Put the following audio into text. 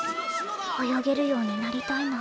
泳げるようになりたいな。